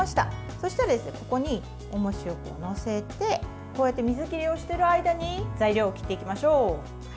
そうしたらここにおもしを載せてこうやって水切りをしている間に材料を切っていきましょう。